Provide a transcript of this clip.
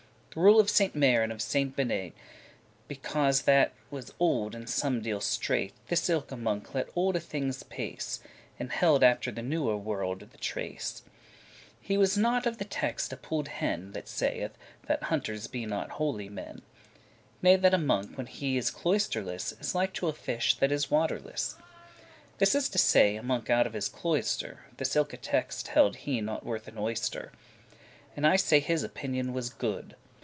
The rule of Saint Maur and of Saint Benet, <16> Because that it was old and somedeal strait This ilke* monk let olde thinges pace, *same And held after the newe world the trace. He *gave not of the text a pulled hen,* *he cared nothing That saith, that hunters be not holy men: for the text* Ne that a monk, when he is cloisterless; Is like to a fish that is waterless; This is to say, a monk out of his cloister. This ilke text held he not worth an oyster; And I say his opinion was good.